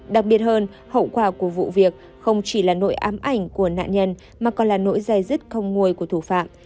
đặc biệt hơn hậu quả của vụ việc không chỉ là nỗi ám ảnh của nạn nhân mà còn là nỗi dai dứt không nguôi của thủ phạm